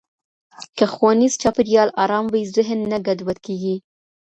که ښوونیز چاپېریال ارام وي، ذهن نه ګډوډ کېږي.